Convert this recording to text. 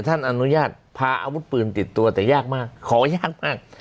ท่านอนุญาตพาอาวุธปืนติดตัวแต่ยากมากขออนุญาตมาก